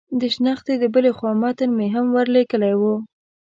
د شنختې د بلې خوا متن مې هم ور لېږلی و.